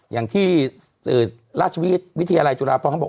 อย่างที่ราชวิตวิทยาลัยจุฬาภัณฑ์เขาบอก